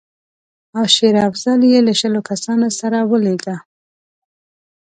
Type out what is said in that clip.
او شېر افضل یې له شلو کسانو سره ولېږه.